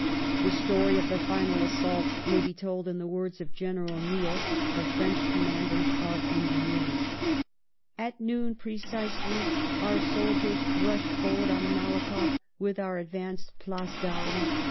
The story of the final assault may be told in the words of General Niel, the French Commandant of Engineers :" At noon precisely our sol diers rushed forward on the Malakoff from our advanced places d'armes.